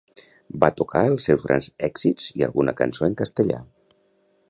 Va tocar els seus grans èxits i alguna cançó en castellà.